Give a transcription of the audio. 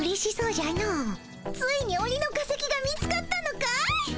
ついにオニの化石が見つかったのかい？